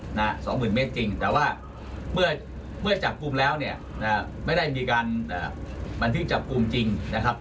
๒หมื่นเมตรจริงแต่ว่าเมื่อจับกุมแล้วไม่ได้มีการบันทึกจับกุมจริงนะครับ